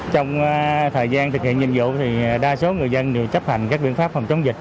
trong thời gian thực hiện nhiệm vụ thì đa số người dân đều chấp hành các biện pháp phòng chống dịch